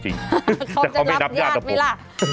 เขาจะรับญาติไหมล่ะ